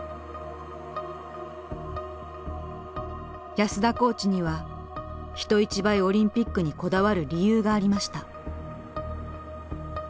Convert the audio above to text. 安田コーチには人一倍オリンピックにこだわる理由がありました。